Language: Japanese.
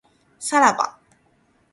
さらば